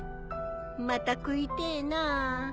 また食いてえなぁ。